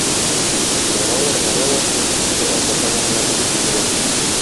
Баралар-баралар, теге аждаһа яныннан узып китәләр.